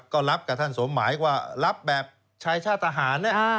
ก็รับกับท่านสมหมายว่ารับแบบชายชาติทหาร